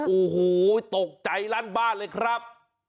โอ้โหตกใจลั่นบ้านเลยครับ